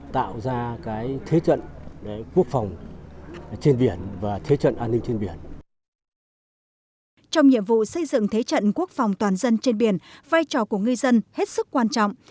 trong nhiệm vụ xây dựng thế trận quốc phòng toàn dân trên biển vai trò của ngư dân hết sức quan trọng